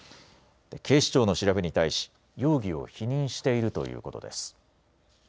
警視庁の調べに対し容疑を否認しているということです。